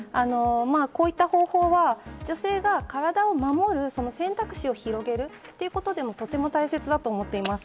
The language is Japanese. こういった方法は女性が体を守る選択肢を広げるということでもとても大切だと思っています。